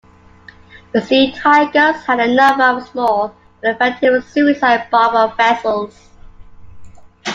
The Sea Tigers had a number of small but effective suicide bomber vessels.